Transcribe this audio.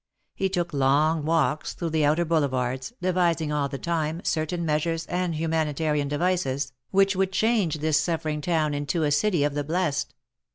He took long walks through the outer Boulevards, devising all the time certain measures and humanitarian devices which would change this suffering town into a city of the blest.